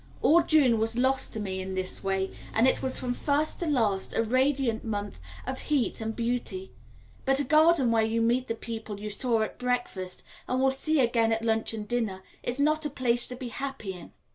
All June was lost to me in this way, and it was from first to last a radiant month of heat and beauty; but a garden where you meet the people you saw at breakfast, and will see again at lunch and dinner, is not a place to be happy in.